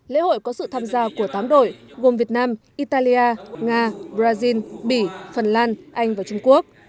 lễ hội có sự tham gia của tám đội gồm việt nam italia nga brazil bỉ phần lan anh và trung quốc